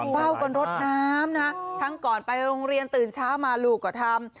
เฝ้าบนรถน้ำนะทั้งก่อนไปโรงเรียนตื่นเช้ามาลูกก็ทำ